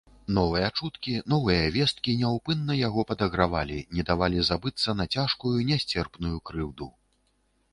Новыя чуткі, новыя весткі няўпынна яго падагравалі, не давалі забыцца на цяжкую, нясцерпную крыўду.